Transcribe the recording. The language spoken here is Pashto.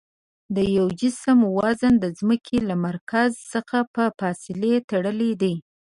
د یوه جسم وزن د ځمکې له مرکز څخه په فاصلې تړلی دی.